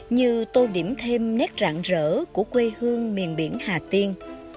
như tô điểm thêm nét rạn rỡ của quê hương miền biển hà tiên